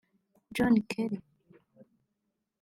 John Kerry